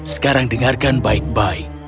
sekarang dengarkan baik baik